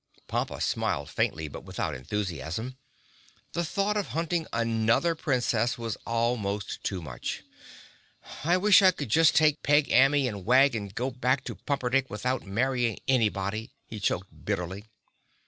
Pompa smiled faintly, but without enthusiasm. The thought of hunting another Princess was almost too much. "I wish I could just take Peg Amy and Wag and go back to Pumperdink without marrying anybody," he choked bitterly.